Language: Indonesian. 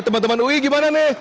teman teman ui gimana nih